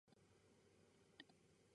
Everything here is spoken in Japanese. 便于阅读